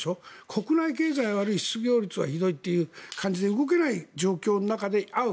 国内経済が悪い失業率はひどいという感じで動けない中で会う。